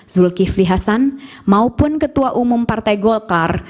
zulkifli hasan maupun ketua umum partai golkar